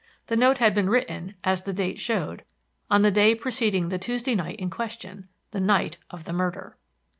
The note had been written, as the date showed, on the day preceding the Tuesday night in question the night of the murder!